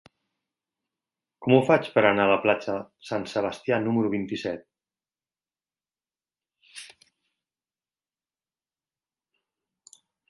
Com ho faig per anar a la platja Sant Sebastià número vint-i-set?